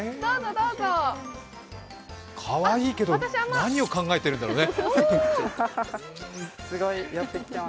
かわいいけど、何を考えてるんだろうね？